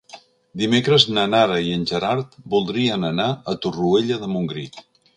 Dimecres na Nara i en Gerard voldrien anar a Torroella de Montgrí.